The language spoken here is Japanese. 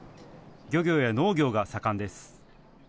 漁業や農業が盛んです。